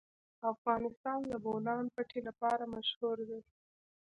افغانستان د د بولان پټي لپاره مشهور دی.